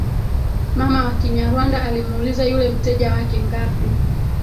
mama wa Kinyarwanda alimuuliza yule mteja wake ngapi